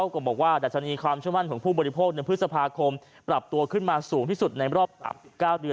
ก็บอกว่าดัชนีความเชื่อมั่นของผู้บริโภคในพฤษภาคมปรับตัวขึ้นมาสูงที่สุดในรอบ๙เดือน